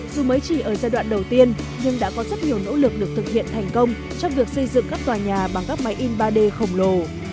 dù mới chỉ ở giai đoạn đầu tiên nhưng đã có rất nhiều nỗ lực được thực hiện thành công trong việc xây dựng các tòa nhà bằng các máy in ba d khổng lồ